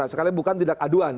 sekarang bukan tindak aduan